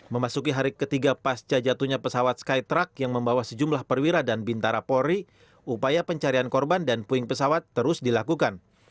memasuki hari ketiga pasca jatuhnya pesawat skytruck yang membawa sejumlah perwira dan bintara polri upaya pencarian korban dan puing pesawat terus dilakukan